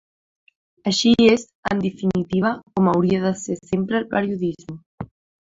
Així és, en definitiva, com hauria de ser sempre el periodisme.